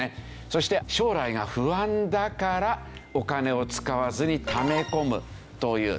そして将来が不安だからお金を使わずにため込むという。